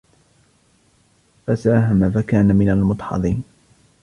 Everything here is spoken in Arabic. فساهم فكان من المدحضين